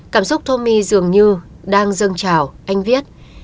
cảm xúc tommy dường như đang dâng trào anh viết